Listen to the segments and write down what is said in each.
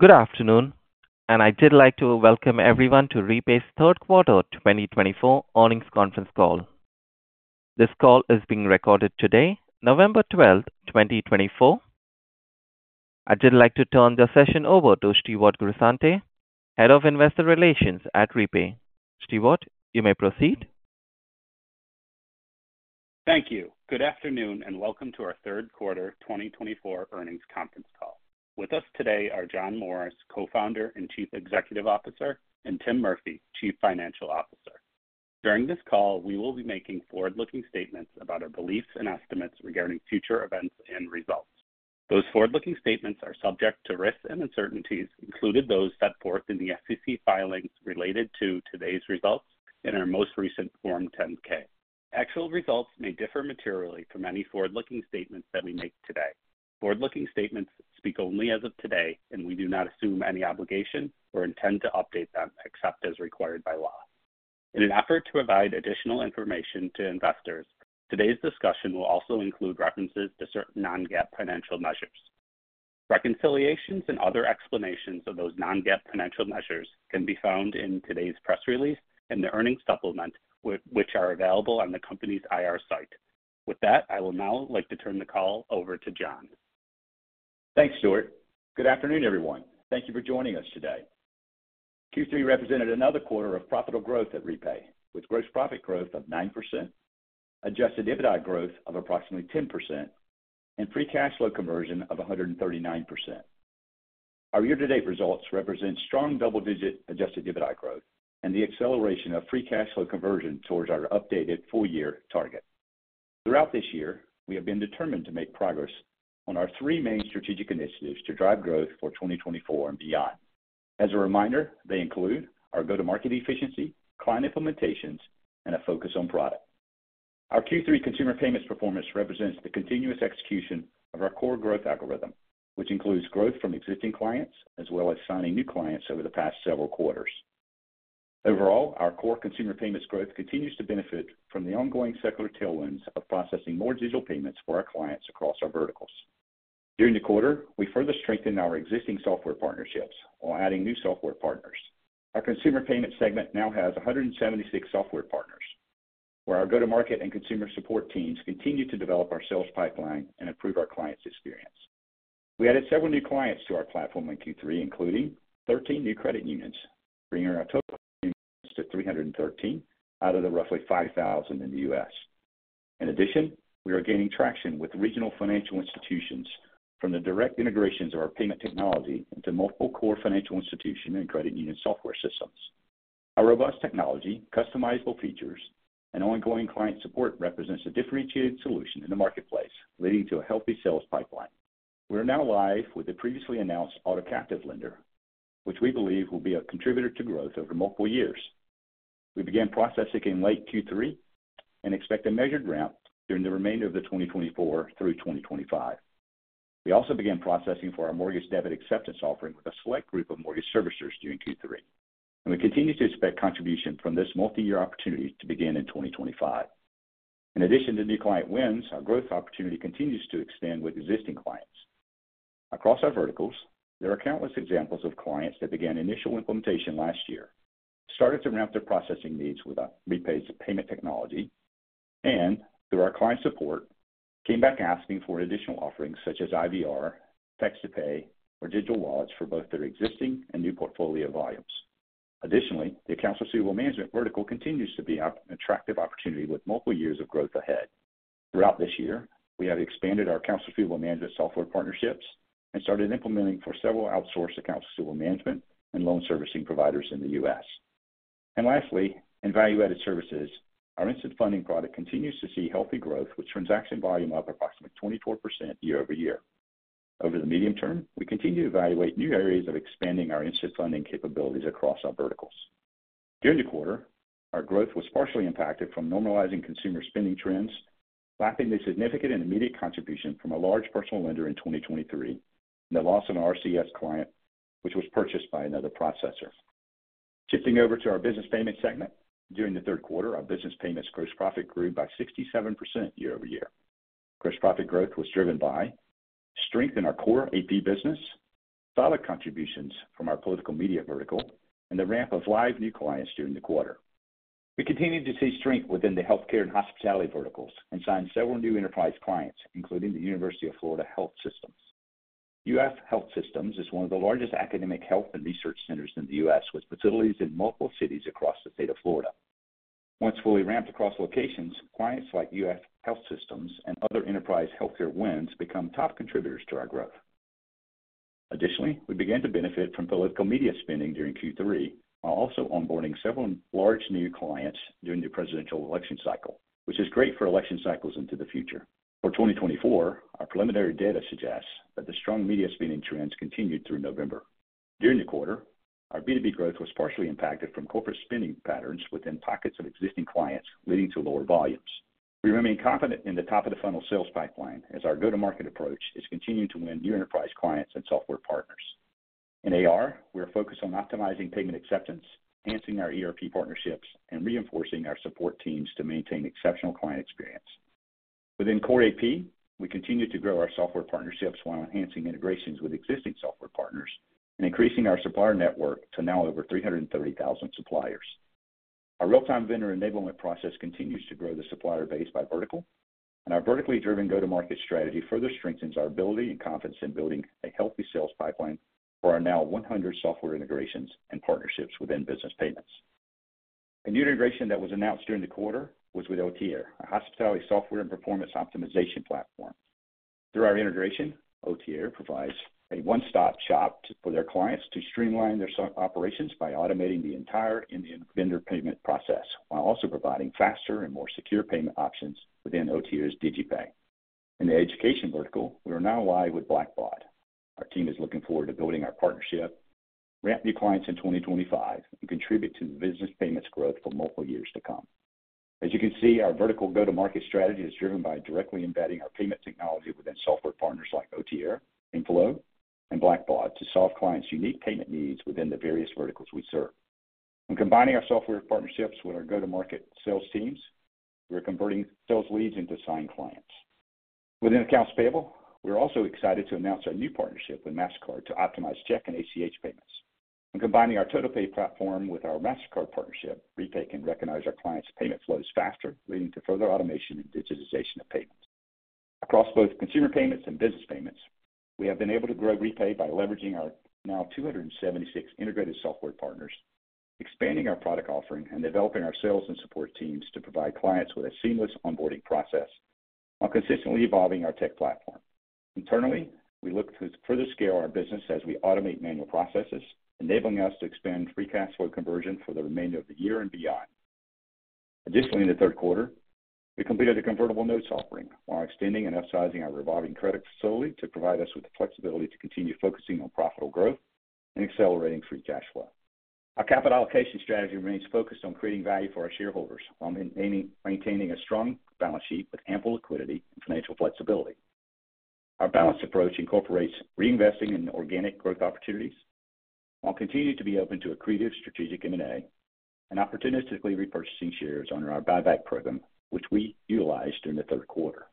Good afternoon, and I'd like to welcome everyone to Repay's third quarter 2024 earnings conference call. This call is being recorded today, November 12, 2024. I'd like to turn the session over to Stewart Grisante, Head of Investor Relations at Repay. Stewart, you may proceed. Thank you. Good afternoon, and welcome to our third quarter 2024 earnings conference call. With us today are John Morris, Co-Founder and Chief Executive Officer, and Tim Murphy, Chief Financial Officer. During this call, we will be making forward-looking statements about our beliefs and estimates regarding future events and results. Those forward-looking statements are subject to risks and uncertainties, including those set forth in the SEC filings related to today's results in our most recent Form 10-K. Actual results may differ materially from any forward-looking statements that we make today. Forward-looking statements speak only as of today, and we do not assume any obligation or intend to update them except as required by law. In an effort to provide additional information to investors, today's discussion will also include references to certain non-GAAP financial measures. Reconciliations and other explanations of those non-GAAP financial measures can be found in today's press release and the earnings supplement, which are available on the company's IR site. With that, I would now like to turn the call over to John. Thanks, Stewart. Good afternoon, everyone. Thank you for joining us today. Q3 represented another quarter of profitable growth at Repay, with gross profit growth of 9%, Adjusted EBITDA growth of approximately 10%, and free cash flow conversion of 139%. Our year-to-date results represent strong double-digit Adjusted EBITDA growth and the acceleration of free cash flow conversion towards our updated full-year target. Throughout this year, we have been determined to make progress on our three main strategic initiatives to drive growth for 2024 and beyond. As a reminder, they include our go-to-market efficiency, client implementations, and a focus on product. Our Q3 consumer payments performance represents the continuous execution of our core growth algorithm, which includes growth from existing clients as well as signing new clients over the past several quarters. Overall, our core consumer payments growth continues to benefit from the ongoing secular tailwinds of processing more digital payments for our clients across our verticals. During the quarter, we further strengthened our existing software partnerships while adding new software partners. Our consumer payment segment now has 176 software partners, where our go-to-market and consumer support teams continue to develop our sales pipeline and improve our clients' experience. We added several new clients to our platform in Q3, including 13 new credit unions, bringing our total credit unions to 313 out of the roughly 5,000 in the U.S. In addition, we are gaining traction with regional financial institutions from the direct integrations of our payment technology into multiple core financial institutions and credit union software systems. Our robust technology, customizable features, and ongoing client support represent a differentiated solution in the marketplace, leading to a healthy sales pipeline. We are now live with the previously announced auto-captive lender, which we believe will be a contributor to growth over multiple years. We began processing in late Q3 and expect a measured ramp during the remainder of 2024 through 2025. We also began processing for our mortgage debit acceptance offering with a select group of mortgage servicers during Q3, and we continue to expect contributions from this multi-year opportunity to begin in 2025. In addition to new client wins, our growth opportunity continues to extend with existing clients. Across our verticals, there are countless examples of clients that began initial implementation last year, started to ramp their processing needs with Repay's payment technology, and, through our client support, came back asking for additional offerings such as IVR, text-to-pay, or digital wallets for both their existing and new portfolio volumes. Additionally, the accounts receivable management vertical continues to be an attractive opportunity with multiple years of growth ahead. Throughout this year, we have expanded our accounts receivable management software partnerships and started implementing for several outsourced accounts receivable management and loan servicing providers in the U.S. Lastly, in value-added services, our instant funding product continues to see healthy growth, with transaction volume up approximately 24% year over year. Over the medium term, we continue to evaluate new areas of expanding our instant funding capabilities across our verticals. During the quarter, our growth was partially impacted from normalizing consumer spending trends, lacking the significant and immediate contribution from a large personal lender in 2023, and the loss of an RCS client, which was purchased by another processor. Shifting over to our business payments segment, during the third quarter, our business payments gross profit grew by 67% year over year. Gross profit growth was driven by strength in our core AP business, solid contributions from our political media vertical, and the ramp of live new clients during the quarter. We continue to see strength within the healthcare and hospitality verticals and signed several new enterprise clients, including the University of Florida Health. UF Health is one of the largest academic health and research centers in the U.S., with facilities in multiple cities across the state of Florida. Once fully ramped across locations, clients like UF Health and other enterprise healthcare wins become top contributors to our growth. Additionally, we began to benefit from political media spending during Q3 while also onboarding several large new clients during the presidential election cycle, which is great for election cycles into the future. For 2024, our preliminary data suggests that the strong media spending trends continued through November. During the quarter, our B2B growth was partially impacted from corporate spending patterns within pockets of existing clients, leading to lower volumes. We remain confident in the top-of-the-funnel sales pipeline as our go-to-market approach is continuing to win new enterprise clients and software partners. In AR, we are focused on optimizing payment acceptance, enhancing our ERP partnerships, and reinforcing our support teams to maintain exceptional client experience. Within core AP, we continue to grow our software partnerships while enhancing integrations with existing software partners and increasing our supplier network to now over 330,000 suppliers. Our real-time vendor enablement process continues to grow the supplier base by vertical, and our vertically driven go-to-market strategy further strengthens our ability and confidence in building a healthy sales pipeline for our now 100 software integrations and partnerships within business payments. A new integration that was announced during the quarter was with Otelier, a hospitality software and performance optimization platform. Through our integration, Otelier provides a one-stop shop for their clients to streamline their operations by automating the entire end-to-end vendor payment process while also providing faster and more secure payment options within Otelier's DigiPay. In the education vertical, we are now live with Blackbaud. Our team is looking forward to building our partnership, ramp new clients in 2025, and contribute to the business payments growth for multiple years to come. As you can see, our vertical go-to-market strategy is driven by directly embedding our payment technology within software partners like Otelier, Inflow, and Blackbaud to solve clients' unique payment needs within the various verticals we serve. When combining our software partnerships with our go-to-market sales teams, we are converting sales leads into signed clients. Within accounts payable, we are also excited to announce our new partnership with Mastercard to optimize check and ACH payments. When combining our TotalPay platform with our Mastercard partnership, Repay can recognize our clients' payment flows faster, leading to further automation and digitization of payments. Across both consumer payments and business payments, we have been able to grow Repay by leveraging our now 276 integrated software partners, expanding our product offering, and developing our sales and support teams to provide clients with a seamless onboarding process while consistently evolving our tech platform. Internally, we look to further scale our business as we automate manual processes, enabling us to expand free cash flow conversion for the remainder of the year and beyond. Additionally, in the third quarter, we completed a convertible notes offering while extending and upsizing our revolving credit facility to provide us with the flexibility to continue focusing on profitable growth and accelerating free cash flow. Our capital allocation strategy remains focused on creating value for our shareholders while maintaining a strong balance sheet with ample liquidity and financial flexibility. Our balanced approach incorporates reinvesting in organic growth opportunities while continuing to be open to a creative strategic M&A and opportunistically repurchasing shares under our buyback program, which we utilized during the third quarter.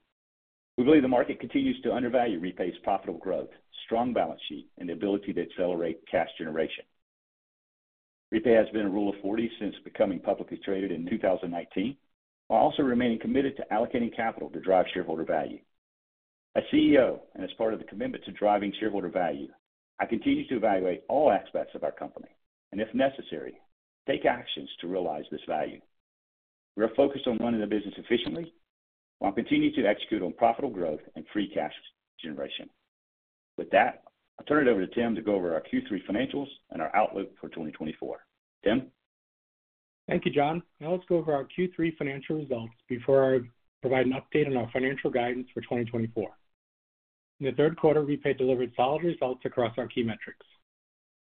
We believe the market continues to undervalue Repay's profitable growth, strong balance sheet, and the ability to accelerate cash generation. Repay has been a Rule of 40 since becoming publicly traded in 2019 while also remaining committed to allocating capital to drive shareholder value. As CEO and as part of the commitment to driving shareholder value, I continue to evaluate all aspects of our company and, if necessary, take actions to realize this value. We are focused on running the business efficiently while continuing to execute on profitable growth and free cash generation. With that, I'll turn it over to Tim to go over our Q3 financials and our outlook for 2024. Tim? Thank you, John. Now let's go over our Q3 financial results before I provide an update on our financial guidance for 2024. In the third quarter, Repay delivered solid results across our key metrics.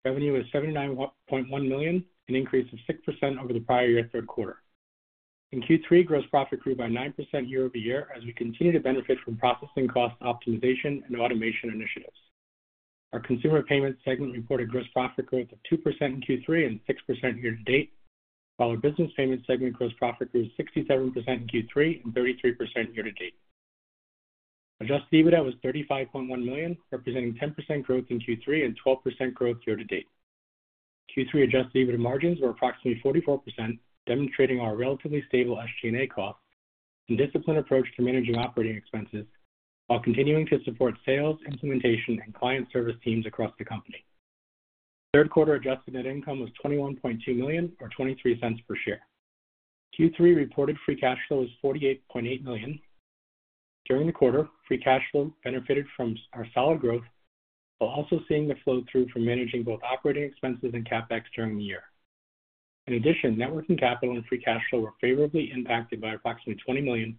Revenue was $79.1 million, an increase of 6% over the prior year third quarter. In Q3, gross profit grew by 9% year over year as we continue to benefit from processing cost optimization and automation initiatives. Our consumer payments segment reported gross profit growth of 2% in Q3 and 6% year to date, while our business payments segment gross profit grew 67% in Q3 and 33% year to date. Adjusted EBITDA was $35.1 million, representing 10% growth in Q3 and 12% growth year to date. Q3 adjusted EBITDA margins were approximately 44%, demonstrating our relatively stable SG&A cost and disciplined approach to managing operating expenses while continuing to support sales, implementation, and client service teams across the company. Third quarter adjusted net income was $21.2 million, or $0.23 per share. Q3 reported free cash flow was $48.8 million. During the quarter, free cash flow benefited from our solid growth while also seeing the flow through from managing both operating expenses and CapEx during the year. In addition, working capital and free cash flow were favorably impacted by approximately $20 million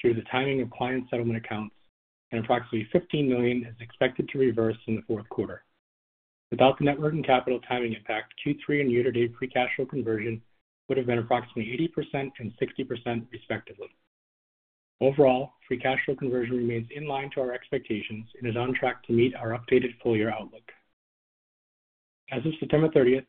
through the timing of client settlement accounts, and approximately $15 million is expected to reverse in the fourth quarter. Without the working capital timing impact, Q3 and year-to-date free cash flow conversion would have been approximately 80% and 60%, respectively. Overall, free cash flow conversion remains in line to our expectations and is on track to meet our updated full-year outlook. As of September 30th,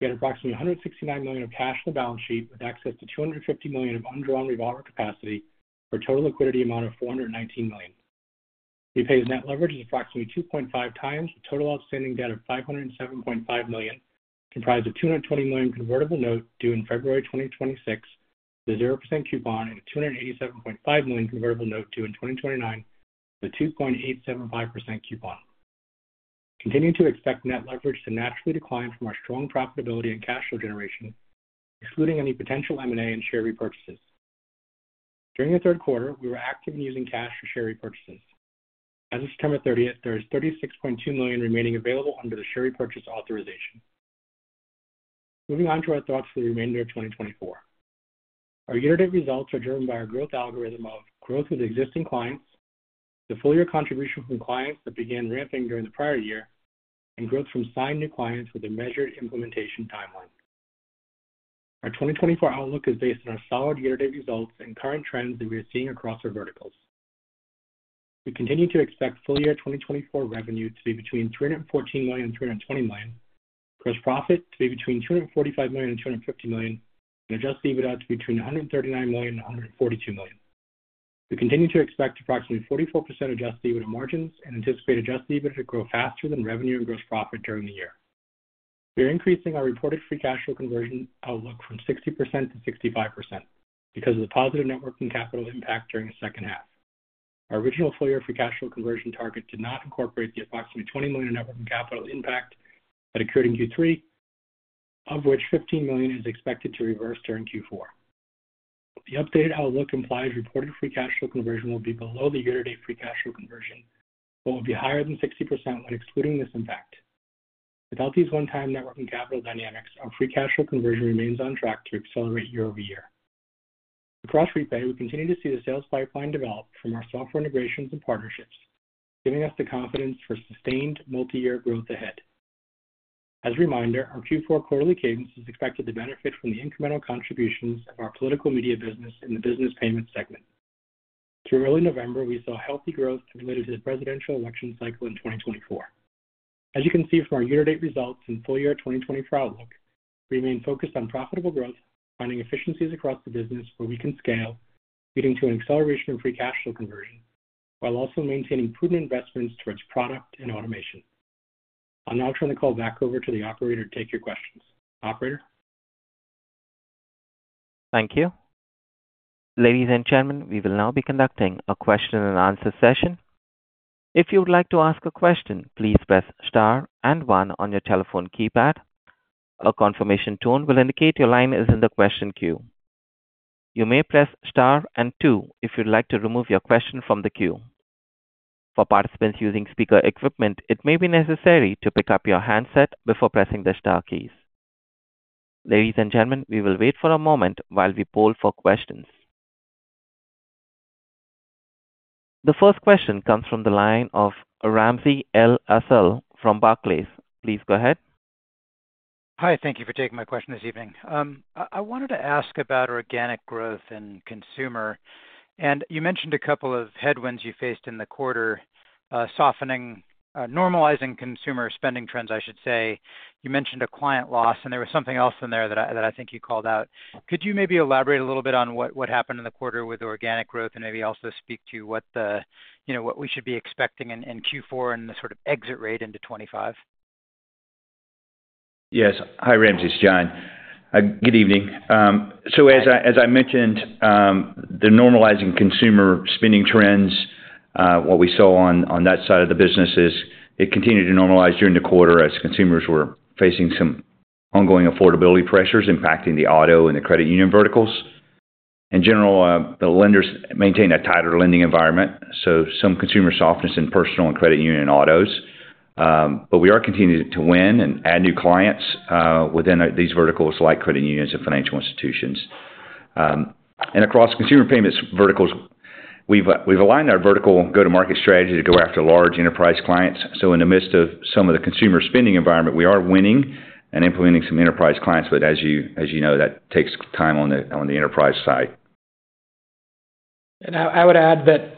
we had approximately $169 million of cash on the balance sheet with access to $250 million of undrawn revolver capacity for a total liquidity amount of $419 million. Repay's net leverage is approximately 2.5x, with total outstanding debt of $507.5 million comprised of $220 million convertible note due in February 2026 with a 0% coupon and a $287.5 million convertible note due in 2029 with a 2.875% coupon. Continue to expect net leverage to naturally decline from our strong profitability and cash flow generation, excluding any potential M&A and share repurchases. During the third quarter, we were active in using cash for share repurchases. As of September 30th, there is $36.2 million remaining available under the share repurchase authorization. Moving on to our thoughts for the remainder of 2024. Our year-to-date results are driven by our growth algorithm of growth with existing clients, the full-year contribution from clients that began ramping during the prior year, and growth from signed new clients with a measured implementation timeline. Our 2024 outlook is based on our solid year-to-date results and current trends that we are seeing across our verticals. We continue to expect full-year 2024 revenue to be between $314 million and $320 million, gross profit to be between $245 million and $250 million, and adjusted EBITDA to be between $139 million and $142 million. We continue to expect approximately 44% adjusted EBITDA margins and anticipate adjusted EBITDA to grow faster than revenue and gross profit during the year. We are increasing our reported free cash flow conversion outlook from 60% to 65% because of the positive working capital impact during the second half. Our original full-year free cash flow conversion target did not incorporate the approximately $20 million working capital impact that occurred in Q3, of which $15 million is expected to reverse during Q4. The updated outlook implies reported free cash flow conversion will be below the year-to-date free cash flow conversion but will be higher than 60% when excluding this impact. Without these one-time working capital dynamics, our free cash flow conversion remains on track to accelerate year over year. Across Repay, we continue to see the sales pipeline develop from our software integrations and partnerships, giving us the confidence for sustained multi-year growth ahead. As a reminder, our Q4 quarterly cadence is expected to benefit from the incremental contributions of our political media business in the business payments segment. Through early November, we saw healthy growth related to the presidential election cycle in 2024. As you can see from our year-to-date results and full-year 2024 outlook, we remain focused on profitable growth, finding efficiencies across the business where we can scale, leading to an acceleration of free cash flow conversion while also maintaining prudent investments towards product and automation. I'll now turn the call back over to the operator to take your questions. Operator? Thank you. Ladies and gentlemen, we will now be conducting a question-and-answer session. If you would like to ask a question, please press Star and 1 on your telephone keypad. A confirmation tone will indicate your line is in the question queue. You may press Star and 2 if you'd like to remove your question from the queue. For participants using speaker equipment, it may be necessary to pick up your handset before pressing the Star keys. Ladies and gentlemen, we will wait for a moment while we poll for questions. The first question comes from the line of Ramsey El-Assal from Barclays. Please go ahead. Hi. Thank you for taking my question this evening. I wanted to ask about organic growth and consumer. And you mentioned a couple of headwinds you faced in the quarter, softening, normalizing consumer spending trends, I should say. You mentioned a client loss, and there was something else in there that I think you called out. Could you maybe elaborate a little bit on what happened in the quarter with organic growth and maybe also speak to what we should be expecting in Q4 and the sort of exit rate into 2025? Yes. Hi, Ramsey. It's John. Good evening. So as I mentioned, the normalizing consumer spending trends, what we saw on that side of the business is it continued to normalize during the quarter as consumers were facing some ongoing affordability pressures impacting the auto and the credit union verticals. In general, the lenders maintained a tighter lending environment, so some consumer softness in personal and credit union autos. But we are continuing to win and add new clients within these verticals like credit unions and financial institutions. And across consumer payments verticals, we've aligned our vertical go-to-market strategy to go after large enterprise clients. So in the midst of some of the consumer spending environment, we are winning and implementing some enterprise clients, but as you know, that takes time on the enterprise side. And I would add that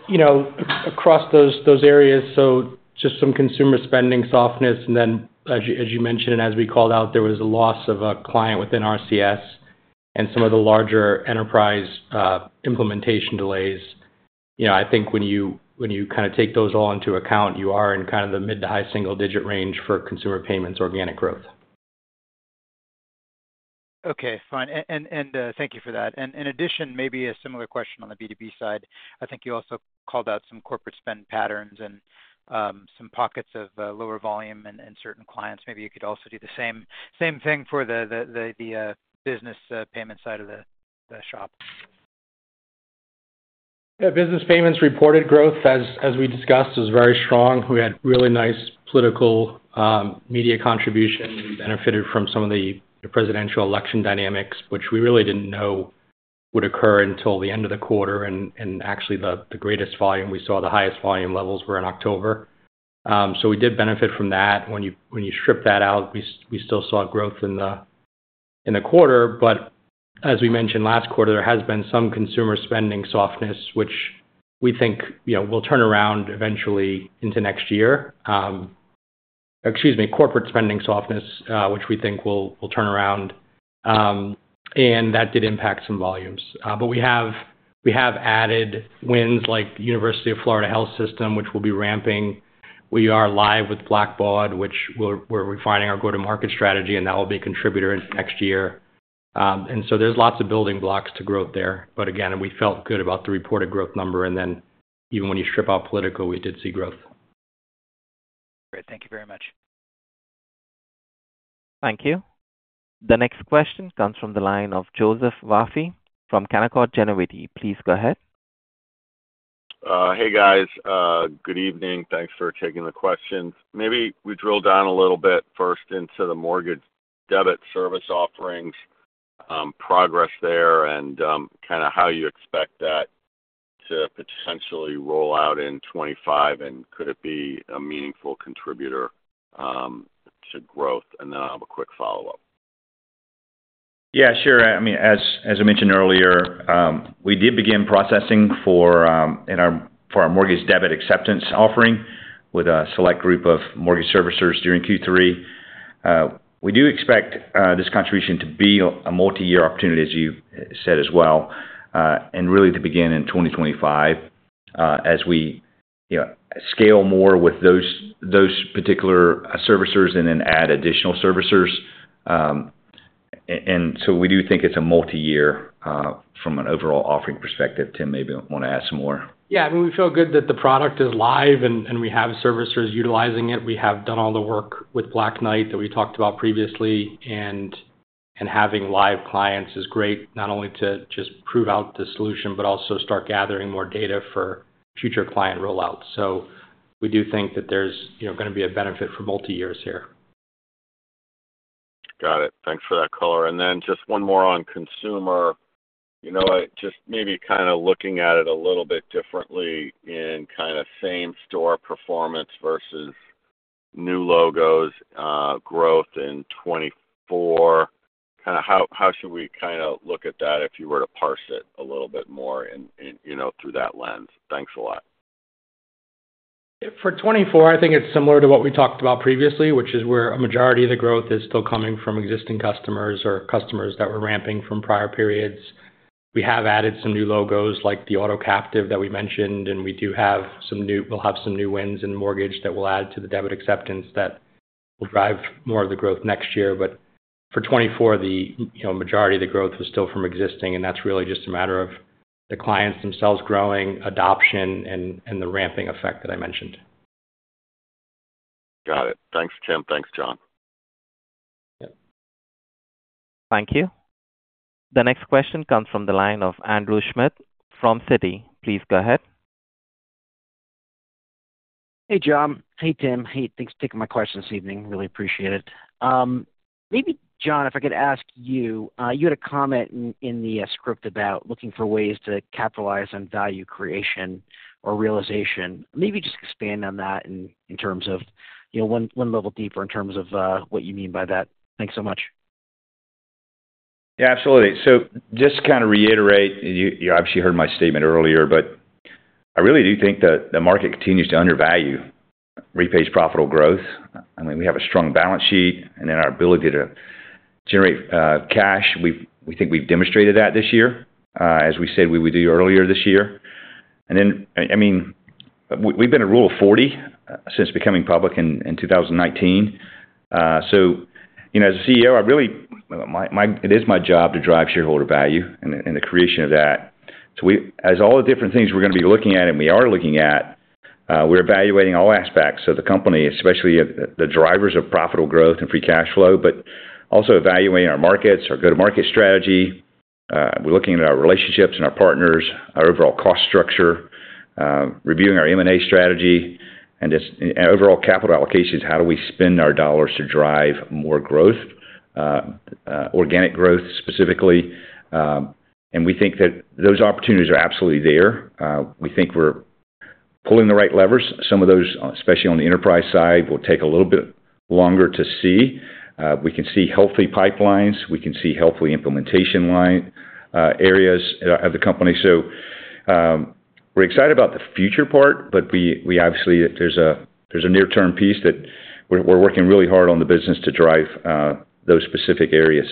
across those areas, so just some consumer spending softness, and then as you mentioned, and as we called out, there was a loss of a client within RCS and some of the larger enterprise implementation delays. I think when you kind of take those all into account, you are in kind of the mid to high single-digit range for consumer payments organic growth. Okay. Fine. And thank you for that. And in addition, maybe a similar question on the B2B side. I think you also called out some corporate spend patterns and some pockets of lower volume and certain clients. Maybe you could also do the same thing for the business payment side of the shop. Yeah. Business payments reported growth, as we discussed, was very strong. We had really nice political media contributions. We benefited from some of the presidential election dynamics, which we really didn't know would occur until the end of the quarter, and actually, the greatest volume we saw, the highest volume levels, were in October, so we did benefit from that. When you strip that out, we still saw growth in the quarter, but as we mentioned last quarter, there has been some consumer spending softness, which we think will turn around eventually into next year, excuse me, corporate spending softness, which we think will turn around, and that did impact some volumes, but we have added wins like University of Florida Health System, which will be ramping. We are live with Blackbaud, which we're refining our go-to-market strategy, and that will be a contributor into next year, and so there's lots of building blocks to growth there, but again, we felt good about the reported growth number. And then even when you strip out political, we did see growth. Great. Thank you very much. Thank you. The next question comes from the line of Joseph Vafi from Canaccord Genuity. Please go ahead. Hey, guys. Good evening. Thanks for taking the questions. Maybe we drill down a little bit first into the mortgage debt service offerings, progress there, and kind of how you expect that to potentially roll out in 2025, and could it be a meaningful contributor to growth? And then I'll have a quick follow-up. Yeah. Sure. I mean, as I mentioned earlier, we did begin processing for our mortgage debit acceptance offering with a select group of mortgage servicers during Q3. We do expect this contribution to be a multi-year opportunity, as you said as well, and really to begin in 2025 as we scale more with those particular servicers and then add additional servicers. And so we do think it's a multi-year from an overall offering perspective. Tim, maybe you want to add some more? Yeah. I mean, we feel good that the product is live and we have servicers utilizing it. We have done all the work with Black Knight that we talked about previously, and having live clients is great, not only to just prove out the solution but also start gathering more data for future client rollouts. So we do think that there's going to be a benefit for multi-years here. Got it. Thanks for that, Color. And then just one more on consumer. Just maybe kind of looking at it a little bit differently in kind of same-store performance versus new logos, growth in 2024, kind of how should we kind of look at that if you were to parse it a little bit more through that lens? Thanks a lot. For 2024, I think it's similar to what we talked about previously, which is where a majority of the growth is still coming from existing customers or customers that were ramping from prior periods. We have added some new logos like the auto captive that we mentioned, and we'll have some new wins in mortgage that we'll add to the debit acceptance that will drive more of the growth next year. But for 2024, the majority of the growth was still from existing, and that's really just a matter of the clients themselves growing, adoption, and the ramping effect that I mentioned. Got it. Thanks, Tim. Thanks, John. Thank you. The next question comes from the line of Andrew Schmidt from Citi. Please go ahead. Hey, John. Hey, Tim. Hey. Thanks for taking my question this evening. Really appreciate it. Maybe, John, if I could ask you, you had a comment in the script about looking for ways to capitalize on value creation or realization. Maybe just expand on that in terms of one level deeper in terms of what you mean by that. Thanks so much. Yeah. Absolutely. So just to kind of reiterate, you obviously heard my statement earlier, but I really do think that the market continues to undervalue Repay's profitable growth. I mean, we have a strong balance sheet, and then our ability to generate cash, we think we've demonstrated that this year, as we said we would do earlier this year. And then, I mean, we've been a Rule of 40 since becoming public in 2019. So as a CEO, it is my job to drive shareholder value and the creation of that. So as all the different things we're going to be looking at and we are looking at, we're evaluating all aspects of the company, especially the drivers of profitable growth and Free Cash Flow, but also evaluating our markets, our go-to-market strategy. We're looking at our relationships and our partners, our overall cost structure, reviewing our M&A strategy, and overall capital allocations, how do we spend our dollars to drive more growth, organic growth specifically, and we think that those opportunities are absolutely there. We think we're pulling the right levers. Some of those, especially on the enterprise side, will take a little bit longer to see. We can see healthy pipelines. We can see healthy implementation areas of the company, so we're excited about the future part, but obviously, there's a near-term piece that we're working really hard on the business to drive those specific areas.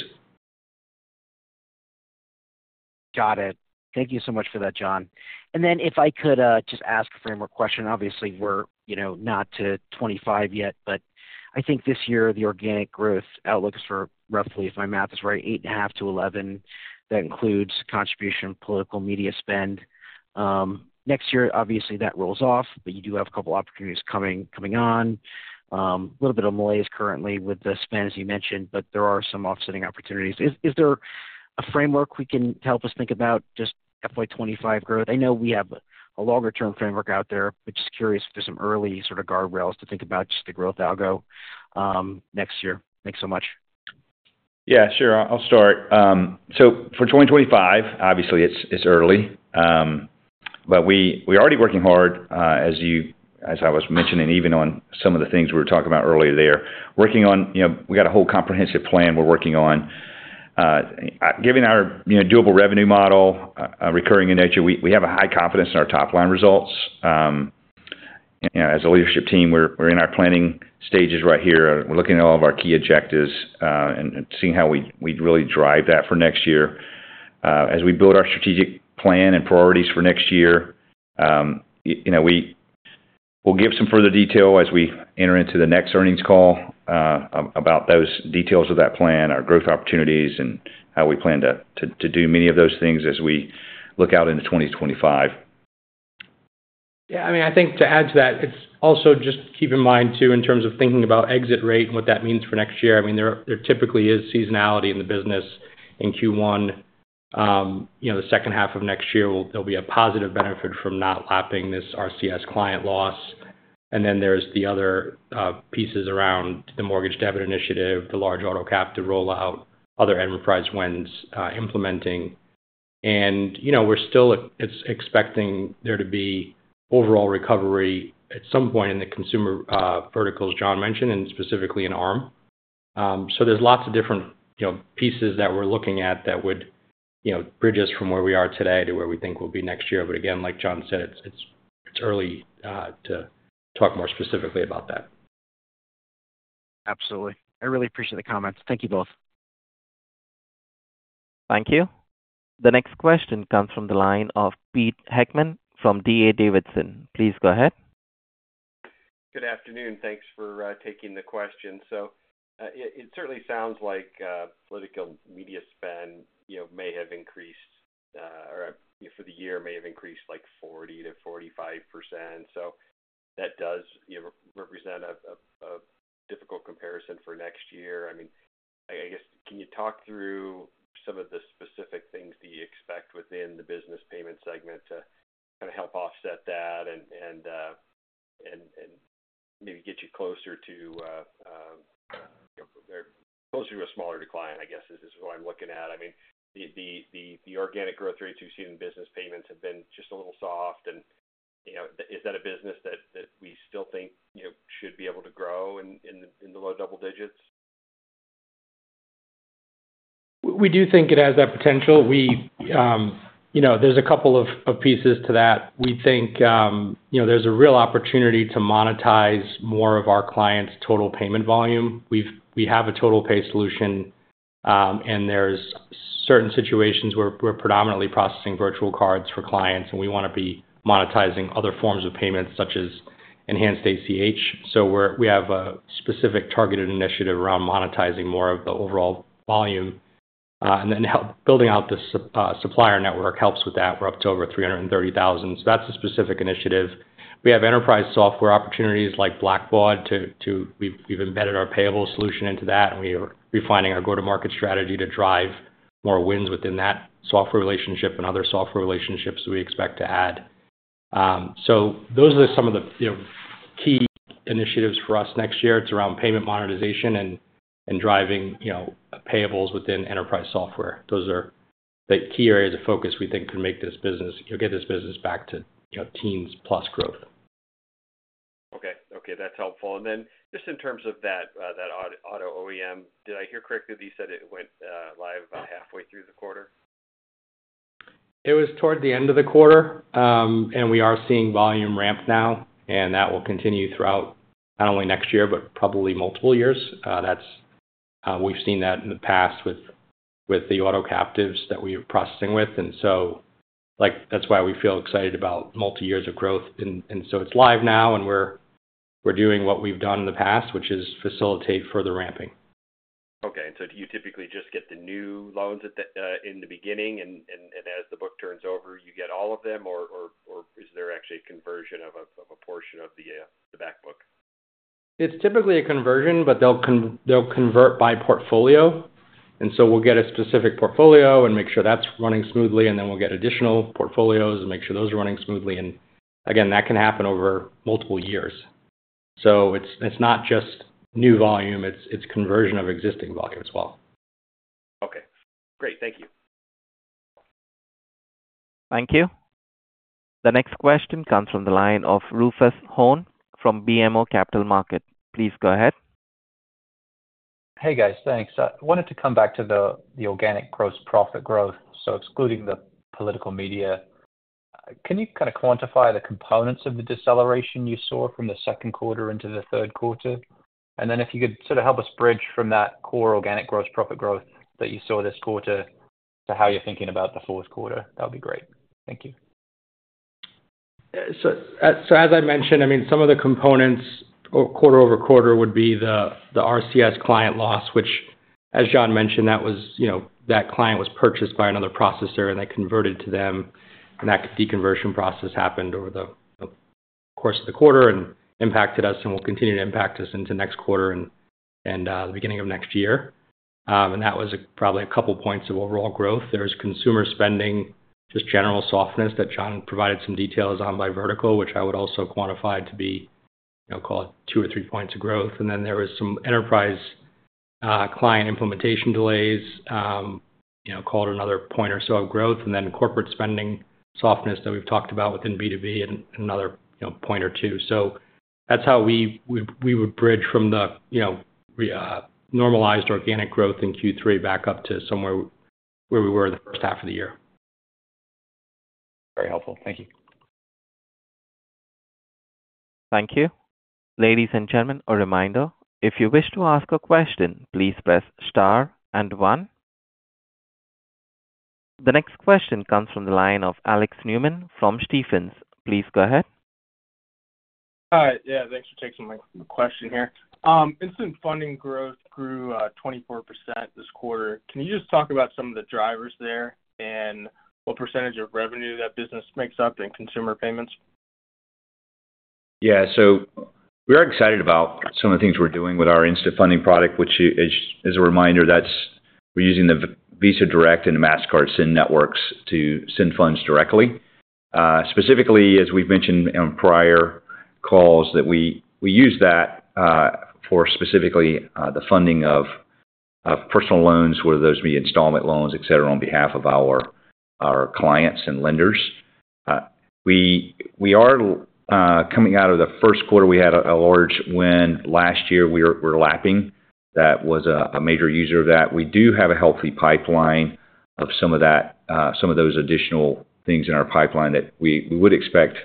Got it. Thank you so much for that, John, and then if I could just ask a framework question, obviously, we're not to 2025 yet, but I think this year, the organic growth outlook is for roughly, if my math is right, 8.5%-11%. That includes contribution, political, media spend. Next year, obviously, that rolls off, but you do have a couple of opportunities coming on. A little bit of malaise currently with the spend, as you mentioned, but there are some offsetting opportunities. Is there a framework we can help us think about just FY 2025 growth? I know we have a longer-term framework out there, but just curious if there's some early sort of guardrails to think about just the growth algo next year. Thanks so much. Yeah. Sure. I'll start. So for 2025, obviously, it's early, but we're already working hard, as I was mentioning, even on some of the things we were talking about earlier there. We've got a whole comprehensive plan we're working on. Given our dual revenue model, recurring in nature, we have a high confidence in our top-line results. As a leadership team, we're in our planning stages right here. We're looking at all of our key objectives and seeing how we'd really drive that for next year. As we build our strategic plan and priorities for next year, we'll give some further detail as we enter into the next earnings call about those details of that plan, our growth opportunities, and how we plan to do many of those things as we look out into 2025. Yeah. I mean, I think to add to that, it's also just keep in mind, too, in terms of thinking about exit rate and what that means for next year. I mean, there typically is seasonality in the business in Q1. The second half of next year, there'll be a positive benefit from not lapping this RCS client loss. And then there's the other pieces around the mortgage debit initiative, the large auto captive rollout, other enterprise wins implementing. And we're still expecting there to be overall recovery at some point in the consumer verticals John mentioned, and specifically in ARM. So there's lots of different pieces that we're looking at that would bridge us from where we are today to where we think we'll be next year. But again, like John said, it's early to talk more specifically about that. Absolutely. I really appreciate the comments. Thank you both. Thank you. The next question comes from the line of Pete Heckman from D.A. Davidson. Please go ahead. Good afternoon. Thanks for taking the question. So it certainly sounds like political media spend may have increased or for the year may have increased like 40%-45%. So that does represent a difficult comparison for next year. I mean, I guess, can you talk through some of the specific things that you expect within the business payment segment to kind of help offset that and maybe get you closer to a smaller decline, I guess, is what I'm looking at? I mean, the organic growth rates we've seen in business payments have been just a little soft. And is that a business that we still think should be able to grow in the low double digits? We do think it has that potential. There's a couple of pieces to that. We think there's a real opportunity to monetize more of our clients' total payment volume. We have a TotalPay solution, and there's certain situations where we're predominantly processing virtual cards for clients, and we want to be monetizing other forms of payments, such as enhanced ACH. So we have a specific targeted initiative around monetizing more of the overall volume. And then building out the supplier network helps with that. We're up to over 330,000. So that's a specific initiative. We have enterprise software opportunities like Blackbaud. We've embedded our payable solution into that, and we are refining our go-to-market strategy to drive more wins within that software relationship and other software relationships we expect to add. So those are some of the key initiatives for us next year. It's around payment monetization and driving payables within enterprise software. Those are the key areas of focus we think can make this business back to teens plus growth. Okay. Okay. That's helpful. And then just in terms of that auto OEM, did I hear correctly that you said it went live about halfway through the quarter? It was toward the end of the quarter, and we are seeing volume ramp now, and that will continue throughout not only next year but probably multiple years. We've seen that in the past with the auto captives that we are processing with. And so that's why we feel excited about multi-years of growth. And so it's live now, and we're doing what we've done in the past, which is facilitate further ramping. Okay. And so you typically just get the new loans in the beginning, and as the book turns over, you get all of them, or is there actually a conversion of a portion of the backbook? It's typically a conversion, but they'll convert by portfolio. And so we'll get a specific portfolio and make sure that's running smoothly, and then we'll get additional portfolios and make sure those are running smoothly. And again, that can happen over multiple years. So it's not just new volume. It's conversion of existing volume as well. Okay. Great. Thank you. Thank you. The next question comes from the line of Rufus Hone from BMO Capital Markets. Please go ahead. Hey, guys. Thanks. I wanted to come back to the organic gross profit growth. So excluding the political media, can you kind of quantify the components of the deceleration you saw from the second quarter into the third quarter? And then if you could sort of help us bridge from that core organic gross profit growth that you saw this quarter to how you're thinking about the fourth quarter, that would be great. Thank you. So, as I mentioned, I mean, some of the components quarter over quarter would be the RCS client loss, which, as John mentioned, that client was purchased by another processor, and they converted to them, and that deconversion process happened over the course of the quarter and impacted us and will continue to impact us into next quarter and the beginning of next year. And that was probably a couple of points of overall growth. There's consumer spending, just general softness that John provided some details on by vertical, which I would also quantify to be called two or three points of growth. And then there was some enterprise client implementation delays called another point or so of growth, and then corporate spending softness that we've talked about within B2B and another point or two. So that's how we would bridge from the normalized organic growth in Q3 back up to somewhere where we were the first half of the year. Very helpful. Thank you. Thank you. Ladies and gentlemen, a reminder. If you wish to ask a question, please press star and one. The next question comes from the line of Alex Neumann from Stephens. Please go ahead. Hi. Yeah. Thanks for taking my question here. Instant Funding growth grew 24% this quarter. Can you just talk about some of the drivers there and what percentage of revenue that business makes up in consumer payments? Yeah. So we are excited about some of the things we're doing with our instant funding product, which is a reminder that we're using the Visa Direct and Mastercard Send networks to send funds directly. Specifically, as we've mentioned on prior calls, that we use that for specifically the funding of personal loans, whether those be installment loans, etc., on behalf of our clients and lenders. We are coming out of the first quarter. We had a large win last year. We're lapping. That was a major user of that. We do have a healthy pipeline of some of those additional things in our pipeline that we would expect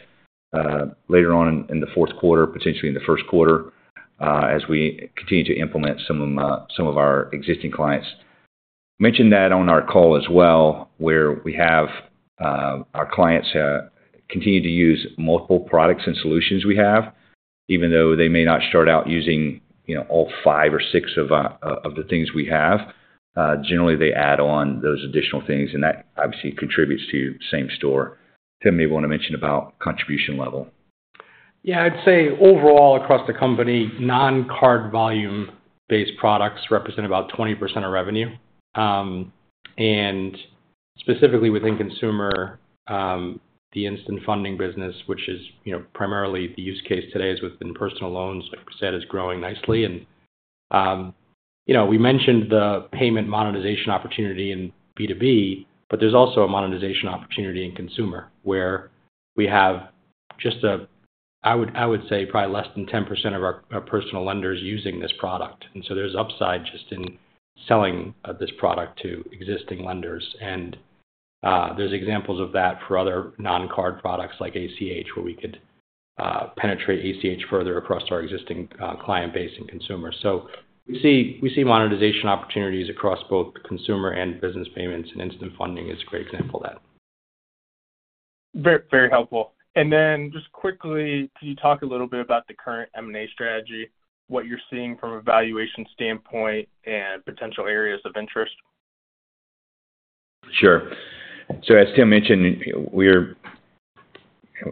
later on in the fourth quarter, potentially in the first quarter, as we continue to implement some of our existing clients. Mentioned that on our call as well, where we have our clients continue to use multiple products and solutions we have, even though they may not start out using all five or six of the things we have. Generally, they add on those additional things, and that obviously contributes to same store. Tim, maybe you want to mention about contribution level? Yeah. I'd say overall, across the company, non-card volume-based products represent about 20% of revenue. Specifically within consumer, the Instant Funding business, which is primarily the use case today, is within personal loans, like we said, is growing nicely. We mentioned the payment monetization opportunity in B2B, but there's also a monetization opportunity in consumer, where we have just a, I would say, probably less than 10% of our personal lenders using this product. So there's upside just in selling this product to existing lenders. There's examples of that for other non-card products like ACH, where we could penetrate ACH further across our existing client base and consumers. We see monetization opportunities across both consumer and business payments, and Instant Funding is a great example of that. Very helpful. And then just quickly, can you talk a little bit about the current M&A strategy, what you're seeing from a valuation standpoint and potential areas of interest? Sure. So as Tim mentioned, we're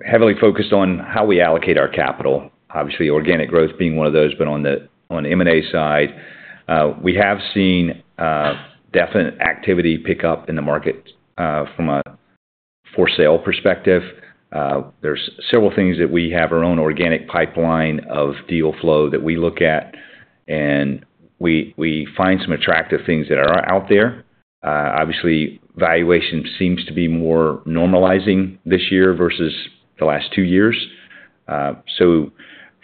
heavily focused on how we allocate our capital, obviously, organic growth being one of those. But on the M&A side, we have seen definite activity pick up in the market from a for-sale perspective. There's several things that we have our own organic pipeline of deal flow that we look at, and we find some attractive things that are out there. Obviously, valuation seems to be more normalizing this year versus the last two years. So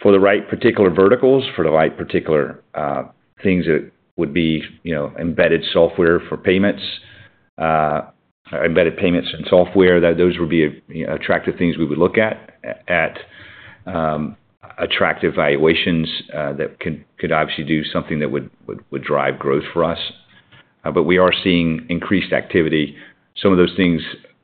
for the right particular verticals, for the right particular things that would be embedded software for payments, embedded payments and software, those would be attractive things we would look at, attractive valuations that could obviously do something that would drive growth for us. But we are seeing increased activity. Some of those things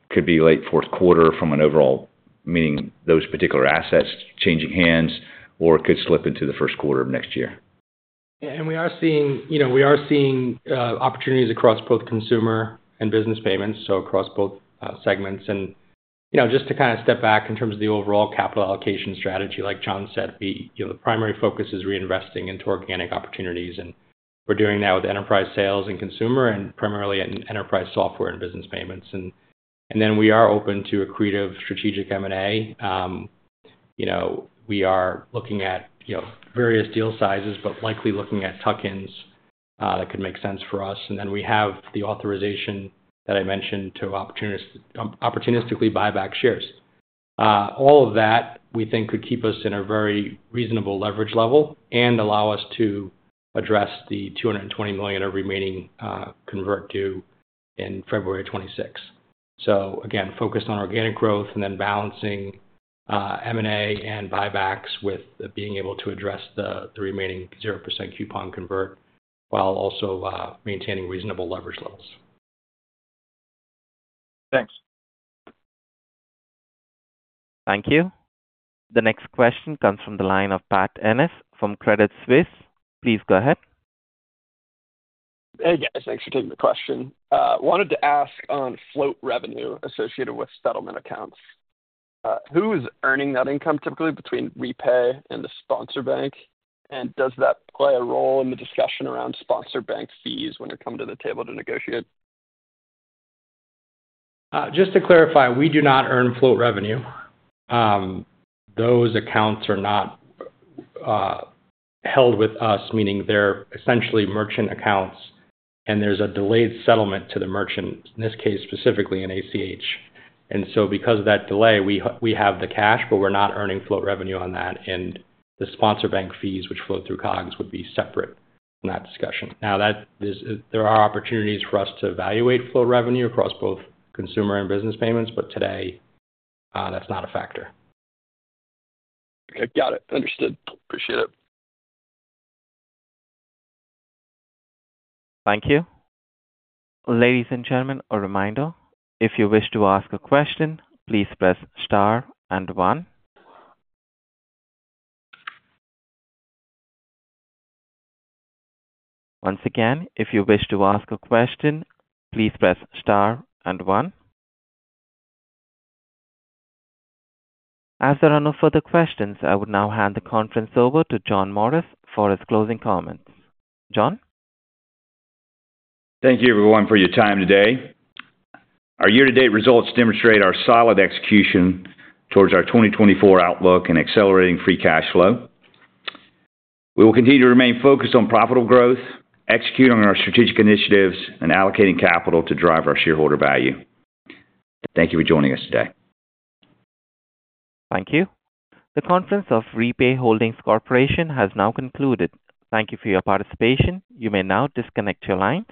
could be late fourth quarter from an overall meaning those particular assets changing hands or could slip into the first quarter of next year. Yeah. We are seeing opportunities across both consumer and business payments, so across both segments. Just to kind of step back in terms of the overall capital allocation strategy, like John said, the primary focus is reinvesting into organic opportunities, and we're doing that with enterprise sales and consumer and primarily in enterprise software and business payments. Then we are open to a creative strategic M&A. We are looking at various deal sizes, but likely looking at tuck-ins that could make sense for us. Then we have the authorization that I mentioned to opportunistically buy back shares. All of that, we think, could keep us in a very reasonable leverage level and allow us to address the $220 million of remaining converts due in February 2026. So again, focus on organic growth and then balancing M&A and buybacks with being able to address the remaining 0% coupon convert while also maintaining reasonable leverage levels. Thanks. Thank you. The next question comes from the line of Pat Ennis from Credit Suisse. Please go ahead. Hey, guys. Thanks for taking the question. Wanted to ask on float revenue associated with settlement accounts. Who is earning that income typically between Repay and the sponsor bank? And does that play a role in the discussion around sponsor bank fees when you're coming to the table to negotiate? Just to clarify, we do not earn float revenue. Those accounts are not held with us, meaning they're essentially merchant accounts, and there's a delayed settlement to the merchant, in this case specifically in ACH. And so because of that delay, we have the cash, but we're not earning float revenue on that. And the sponsor bank fees, which flow through COGS, would be separate from that discussion. Now, there are opportunities for us to evaluate float revenue across both consumer and business payments, but today, that's not a factor. Okay. Got it. Understood. Appreciate it. Thank you. Ladies and gentlemen, a reminder. If you wish to ask a question, please press star and one. Once again, if you wish to ask a question, please press star and one. As there are no further questions, I would now hand the conference over to John Morris for his closing comments. John? Thank you, everyone, for your time today. Our year-to-date results demonstrate our solid execution towards our 2024 outlook and accelerating free cash flow. We will continue to remain focused on profitable growth, executing on our strategic initiatives, and allocating capital to drive our shareholder value. Thank you for joining us today. Thank you. The conference call of Repay Holdings Corporation has now concluded. Thank you for your participation. You may now disconnect your lines.